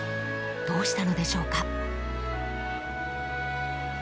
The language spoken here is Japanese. どうしたのでしょうか。